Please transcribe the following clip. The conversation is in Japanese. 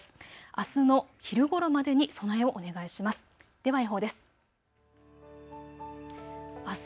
あすの昼ごろまでに備えをお願いします。